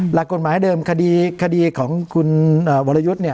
หลักกฎหมายเดิมคดีของคุณวรยุทธ์